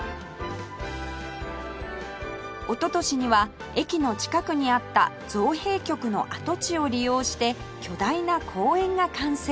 おととしには駅の近くにあった造幣局の跡地を利用して巨大な公園が完成